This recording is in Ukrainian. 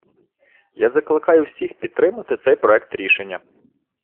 Я закликаю всіх підтримати цей проект рішення!